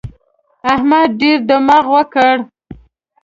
احمد ډېر دماغ وکړ.